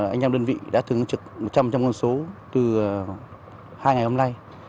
anh em đơn vị đã từng trực một trăm linh con số từ hai ngày hôm nay